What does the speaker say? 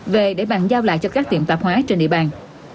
về để bàn giao lại cho các tiệm tạp hóa trên địa bàn